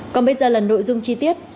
còn bây giờ là nội dung chi tiết